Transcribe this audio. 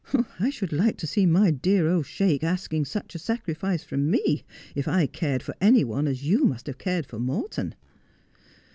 I should like to see my dear old Sheik asking such a sacrifice from me, if I cared for any one as you must have cared for Morton.'